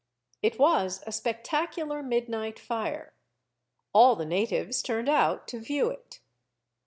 It was a spectacular mid night fire. All the natives turned out to view it.